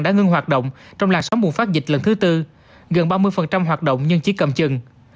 đã ngưng hoạt động trong làn sóng bùng phát dịch lần thứ tư gần ba mươi hoạt động nhưng chỉ cầm chừng